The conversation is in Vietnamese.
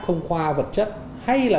thông qua vật chất hay là